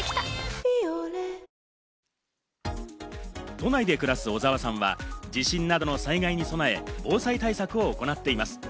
都内で暮らす小澤さんは地震などの災害に備え、防災対策を行っています。